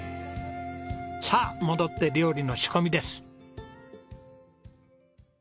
さあ戻って料理の仕込みです。